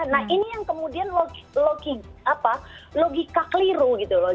nah ini yang kemudian logika keliru gitu loh